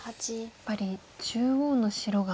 やっぱり中央の白が。